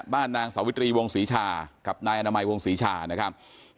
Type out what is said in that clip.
นางสาวิตรีวงศรีชากับนายอนามัยวงศรีชานะครับ